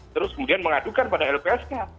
terus kemudian mengadukan pada lpsk